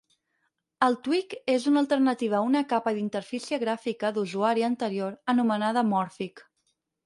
El Tweak és una alternativa a una capa d'interfície gràfica d'usuari anterior anomenada Morphic.